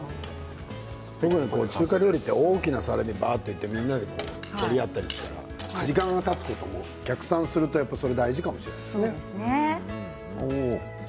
僕は中華料理は大きな皿でみんなで分け合ったりするから時間がたつと、逆算するとそれが大事かもしれませんね。